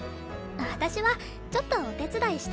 私はちょっとお手伝いしただけです。